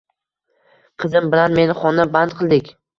Qizim bilan men xona band qildik.